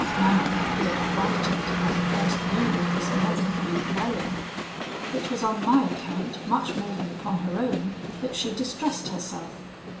"Manon appeared frightened by the first view of this melancholy dwelling. It was on my account much more than upon her own, that she distressed herself.